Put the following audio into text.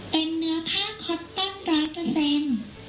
เป็นเนื้อผ้าคอตต้น๑๐๐